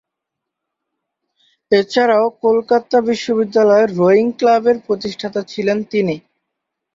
এছাড়াও কলকাতা বিশ্ববিদ্যালয়ের রোয়িং ক্লাবের প্রতিষ্ঠাতা ছিলেন তিনি।